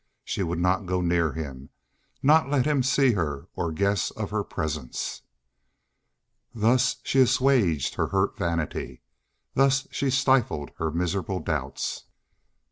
She would not go near him, not let him see her or guess of her presence. Thus she assuaged her hurt vanity thus she stifled her miserable doubts.